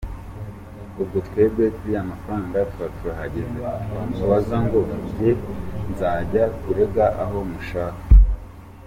Ubwo twebe kuri y’amafaranga tuba turahagaze, twamubaze ngo njye muzajye kurega aho mushaka.